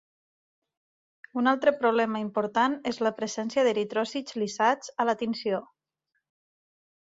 Un altre problema important és la presència d'eritròcits lisats a la tinció.